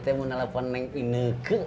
tau mau nelpon yang ini ke